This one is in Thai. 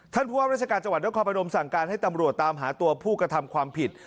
ผู้ว่าราชการจังหวัดนครพนมสั่งการให้ตำรวจตามหาตัวผู้กระทำความผิด